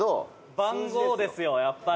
「番号ですよやっぱり」